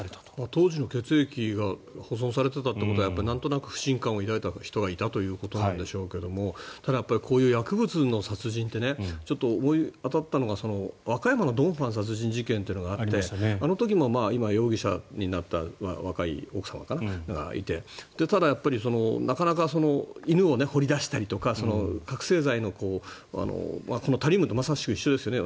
当時の血液が保存されていたということはなんとなく不信感を抱いた人がいたということなんでしょうがただ、こういう薬物の殺人って思い当たったのが和歌山のドン・ファン殺人事件というのがあってあの時も、容疑者になった若い奥様がいてただ、なかなか犬を掘り出したりとか覚醒剤のタリウムとまさしく一緒ですよね。